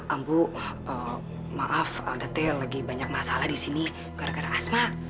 ambu maaf out detail lagi banyak masalah di sini gara gara asma